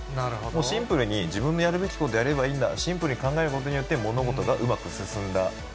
シンプルに自分のやるべきことをやればいいんだ、シンプルに考えることによって、物事がうまく進んだ。